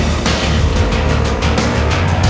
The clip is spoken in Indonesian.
gua mampir bikin celaka begini